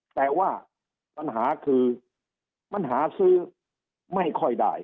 แต่ว่าปัญหาคือมันหาซื้อไม่ค่อยได้